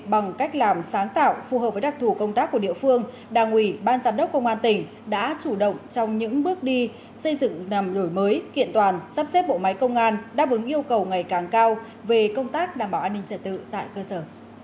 bằng cách làm sáng tạo phù hợp với đặc thù công tác của địa phương đảng ủy ban giám đốc công an tỉnh đã chủ động trong những bước đi xây dựng nằm nổi mới kiện toàn sắp xếp bộ máy công an đáp ứng yêu cầu ngày càng cao về công tác đảm bảo an ninh trật tự tại cơ sở